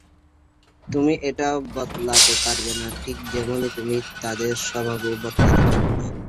তুমি এটা বদলাতে পারবে না, ঠিক যেমনি তুমি তাদের স্বভাবও বদলাতে পারবে না।